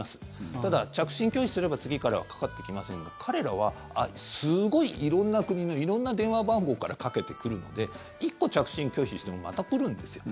ただ、着信拒否すれば次からはかかってきませんが彼らはすごい色んな国の色んな電話番号からかけてくるので１個着信拒否してもまた来るんですよ。